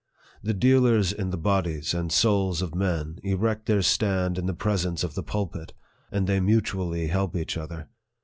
The dealers in the bodies and souls of men erect their stand in the presence of the pulpit, and they mutually help each other.